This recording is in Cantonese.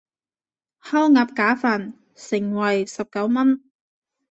烤鴨架飯，盛惠十九文